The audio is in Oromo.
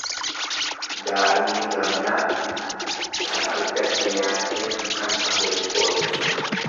Daa'imni gamnaa kan argatte nyaatteetu kan hafeef boochi.